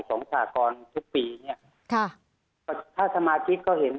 ตอนนี้